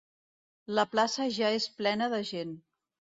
La plaça ja és plena de gent.